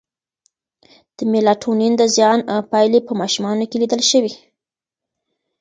د میلاټونین د زیان پایلې په ماشومانو کې لیدل شوې.